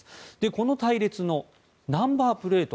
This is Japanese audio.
この隊列のナンバープレート